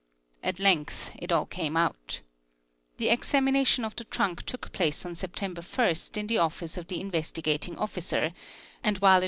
At ith it all came out. The examination of the trunk took place on tember Ist in the office of the Investigating Officer, and while it was 17 FINE.